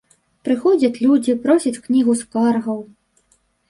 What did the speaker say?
Прыходзяць людзі просяць кнігу скаргаў.